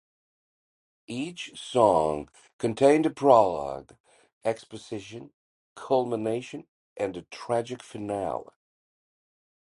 Each song contained a prologue, exposition, culmination, and a tragic finale.